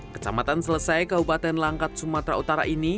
kecamatan selesai kabupaten langkat sumatera utara ini